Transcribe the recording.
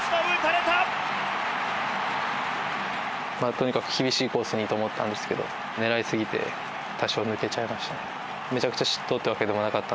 とにかく厳しいコースにと思ったんですけど狙いすぎて多少抜けちゃいましたね。